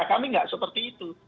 kami tidak seperti itu